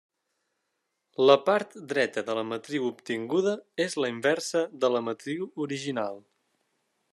La part dreta de la matriu obtinguda és la inversa de la matriu original.